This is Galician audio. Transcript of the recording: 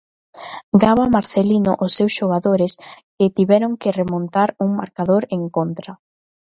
Gaba Marcelino os seus xogadores, que tiveron que remontar un marcador en contra.